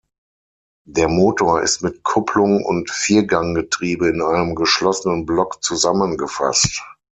Der Motor ist mit Kupplung und Vierganggetriebe in einem geschlossenen Block zusammengefasst.